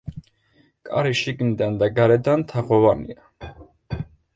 კარი შიგნიდან და გარედან თაღოვანია.